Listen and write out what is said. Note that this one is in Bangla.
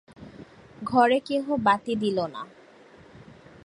ঘরে কেহ বাতি দিল না।